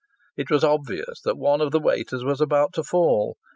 It was obvious that one of the waiters was about to fall.